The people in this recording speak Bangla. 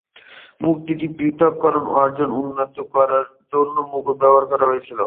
মূর্তিটির পৃথকীকরণ অর্জন এবং উন্নত করার জন্য "মুকুট" ব্যবহার করা হয়েছিল।